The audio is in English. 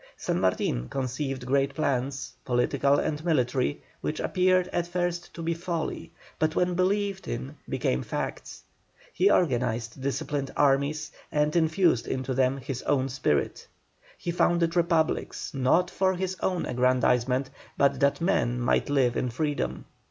San Martin conceived great plans, political and military, which appeared at first to be folly, but when believed in became facts. He organized disciplined armies, and infused into them his own spirit. He founded republics, not for his own aggrandisement, but that men might live in freedom.